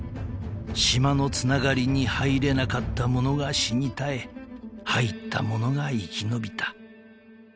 ［島のつながりに入れなかったものが死に絶え入ったものが生き延びた］